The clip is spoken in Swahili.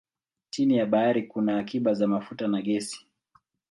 Chini ya bahari kuna akiba za mafuta na gesi.